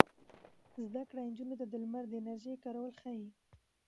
زده کړه نجونو ته د لمر د انرژۍ کارول ښيي.